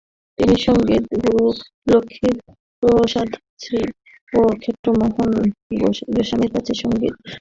তিনি সঙ্গীত গুরু লক্ষ্মীপ্রসাদ মিশ্র ও ক্ষেত্রমোহন গোস্বামীর কাছে সঙ্গীতের তালিম নিয়েছিলেন।